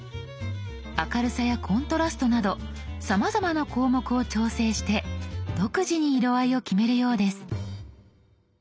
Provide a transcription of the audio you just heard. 明るさやコントラストなどさまざまな項目を調整して独自に色合いを決めるようです。